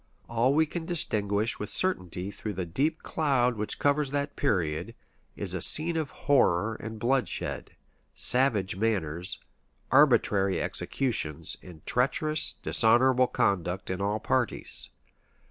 All we can distinguish with certainty through the deep cloud which covers that period, is a scene of horror and bloodshed: savage manners, arbitrary executions, and treacherous, dishonorable conduct in all parties.